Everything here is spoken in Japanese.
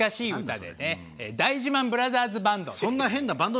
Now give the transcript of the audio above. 大事ＭＡＮブラザーズバンド。